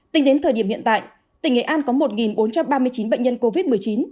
tính đến thời điểm hiện tại tỉnh nghệ an có một bốn trăm ba mươi chín bệnh nhân covid một mươi chín